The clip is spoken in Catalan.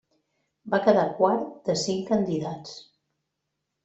Va quedar quart de cinc candidats.